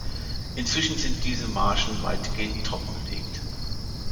Inzwischen sind diese Marschen weitgehend trockengelegt.